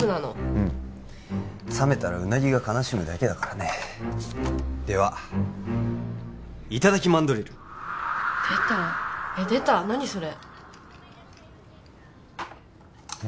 うん冷めたらうなぎが悲しむだけだからねではいただきマンドリル出た出た何それ？